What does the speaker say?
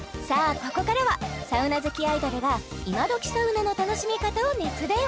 ここからはサウナ好きアイドルがイマドキサウナの楽しみ方を熱弁！